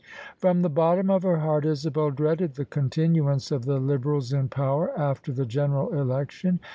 From the bottom of her heart Isabel dreaded the con tinuance of the Liberals in power after the General Elec tion.